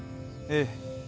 ええ。